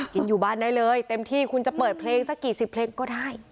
กินอยู่บ้านได้เลยเต็มที่คุณจะเปิดเพลงสักกี่สิบเพลงก็ได้